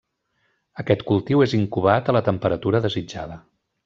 Aquest cultiu és incubat a la temperatura desitjada.